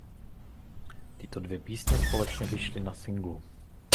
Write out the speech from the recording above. Tyto dvě písně společně vyšly na singlu.